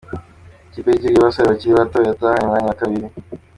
Ikipe y'igihugu y'abasore bakiri bato yatahanye umwanya wa kabiri.